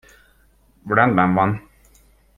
Rendben van.